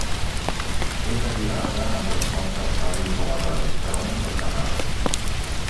És alliberada en resposta a estats inflamatoris, traumes o cremades.